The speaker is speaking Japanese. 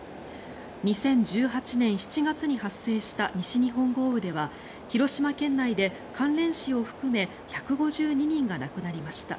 ２０１８年７月に発生した西日本豪雨では広島県内で関連死を含め１５２人が亡くなりました。